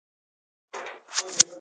سپه کش چو شیروي و چون آوگان